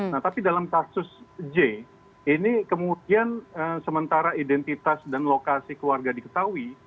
nah tapi dalam kasus j ini kemudian sementara identitas dan lokasi keluarga diketahui